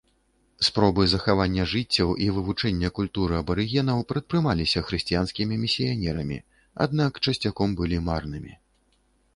Спробы захавання жыццяў і вывучэння культуры абарыгенаў прадпрымаліся хрысціянскімі місіянерамі, аднак часцяком былі марнымі.